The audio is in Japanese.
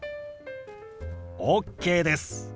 ＯＫです。